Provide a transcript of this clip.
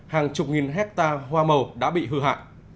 hàng chục nghìn hectare hoa màu đã bị hư hại